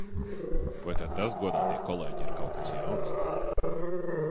Vai tad tas, godātie kolēģi, ir kaut kas jauns?